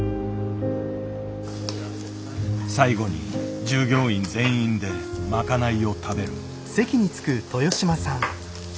最後に従業員全員で賄いを食べる。